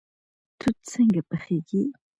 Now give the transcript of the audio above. توت څنګه پخیږي؟